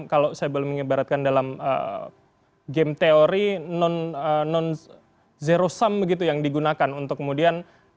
kalau saya boleh mengibaratkan dalam game teori non zero sum begitu yang digunakan untuk kemudian